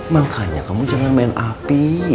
makanya kamu jangan main api